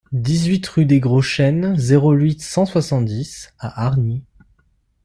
dix-huit rue des Gros Chênes, zéro huit, cent soixante-dix à Hargnies